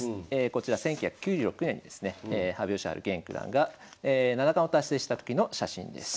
こちら１９９６年ですね羽生善治現九段が七冠を達成した時の写真です。